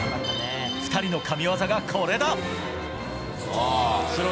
２人の神技が、これだ。